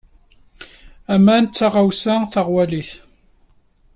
Aman d taɣawsa taɣwalit.